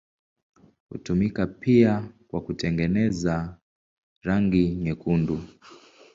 Hutumika pia kwa kutengeneza rangi nyekundu.